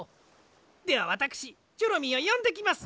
ではわたくしチョロミーをよんできます。